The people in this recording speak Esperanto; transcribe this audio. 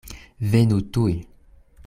Venu tuj.